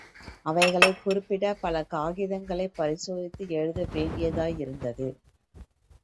அவைகளைக் குறிப்பிடப் பல காகிதங்களைப் பரிசோதித்து எழுதவேண்டியதாயிருந்தது!